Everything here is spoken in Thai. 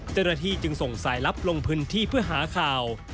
เจ้าหน้าที่จึงส่งสายลับลงพื้นที่เพื่อหาข่าว